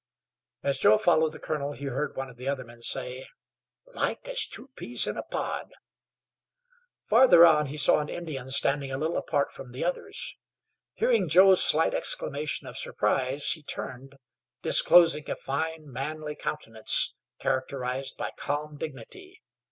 As Joe followed the colonel he heard one of the other men say: "Like as two peas in a pod." Farther on he saw an Indian standing a little apart from the others. Hearing Joe's slight exclamation of surprise, he turned, disclosing a fine, manly countenance, characterized by calm dignity.